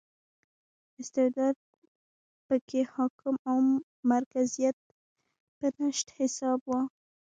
استبداد په کې حاکم او مرکزیت په نشت حساب و.